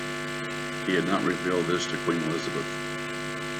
He had not revealed this to Queen Elizabeth.